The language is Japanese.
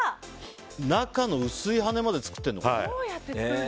中の薄い羽まで作ってるんだ。